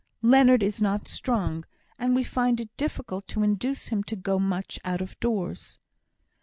"Leonard is not strong, and we find it difficult to induce him to go much out of doors."